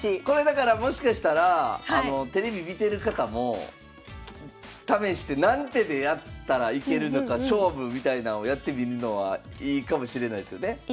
これだからもしかしたらテレビ見てる方も試して何手でやったらいけるのか勝負みたいなのやってみるのはいいかもしれないですよね。